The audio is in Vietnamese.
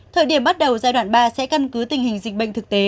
thời điểm bắt đầu giai đoạn ba sẽ căn cứ tình hình dịch bệnh thực tế